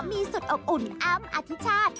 ยังมีแฟนคลับที่ไปรอรับที่สนามบิน